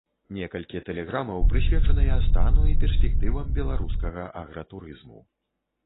Некалькі тэлеграмаў прысвечаныя стану і перспектывам беларускага агратурызму.